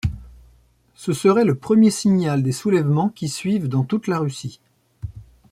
Ce serait le premier signal des soulèvements qui suivent dans toute la Russie.